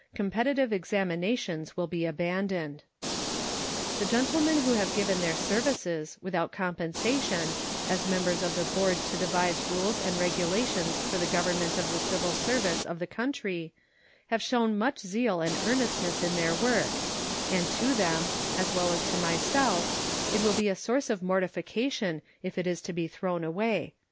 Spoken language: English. Competitive examinations will be abandoned. The gentlemen who have given their services, without compensation, as members of the board to devise rules and regulations for the government of the civil service of the country have shown much zeal and earnestness in their work, and to them, as well as to myself, it will be a source of mortification if it is to be thrown away.